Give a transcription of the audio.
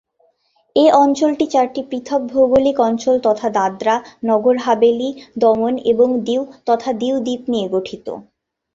এই অঞ্চলটি চারটি পৃথক ভৌগোলিক অঞ্চল তথা দাদরা, নগর হাভেলি, দমন এবং দিউ তথা দিউ দ্বীপ নিয়ে গঠিত।